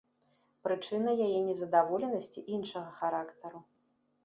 Прычына яе нездаволенасці іншага характару.